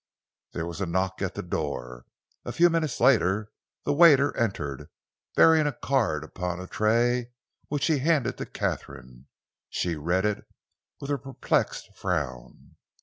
There was a knock at the door, a few moments later. The waiter entered, bearing a card upon a tray, which he handed to Katharine. She read it with a perplexed frown.